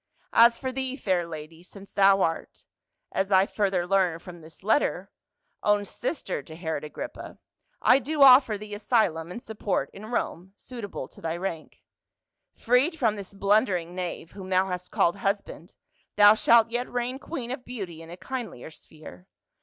As for thee, fair lady, since thou art — as I further learn from this letter — own sister to Herod Agrippa, I do offer thee asylum and support in Rome, suitable to thy rank. Freed from this blundering knave whom thou hast called husband, thou shalt yet reign queen of beauty in a kindlier sphere.